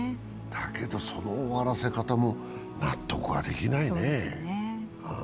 だけど、その終わらせ方も納得ができないね。